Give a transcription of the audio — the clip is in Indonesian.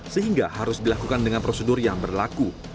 sehingga harus dilakukan dengan prosedur yang berlaku